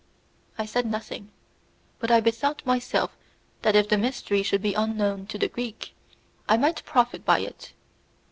I said nothing, but I bethought myself that if the mystery should be unknown to the Greek I might profit by it.